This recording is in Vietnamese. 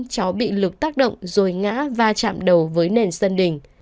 cháu bị lực tác động rồi ngã và chạm đầu với nền sân đỉnh